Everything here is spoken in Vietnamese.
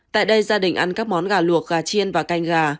tại đây gia đình ăn các món gà luộc gà chiên và canh gà